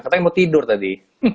katanya mau tidur tadi